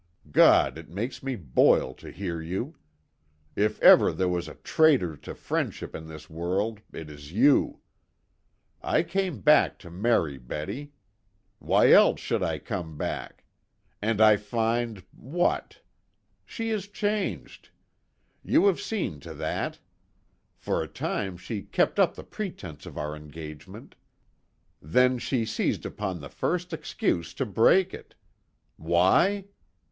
God, it makes me boil to hear you! If ever there was a traitor to friendship in this world it is you. I came back to marry Betty. Why else should I come back? And I find what? She is changed. You have seen to that. For a time she kept up the pretense of our engagement. Then she seized upon the first excuse to break it. Why?